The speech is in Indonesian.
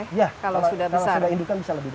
iya kalau sudah indah bisa lebih dari satu meter